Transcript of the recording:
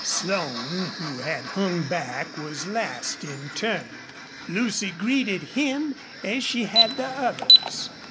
Slone, who had hung back, was last in turn. Lucy greeted him as she had the others.